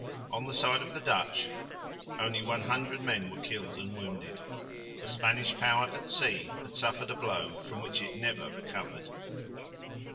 On the side of the Dutch only 100 men were killed and wounded. The Spanish power at sea had suffered a blow from which it never recovered.